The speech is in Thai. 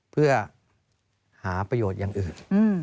เพื่อหาประโยชน์อย่างอื่น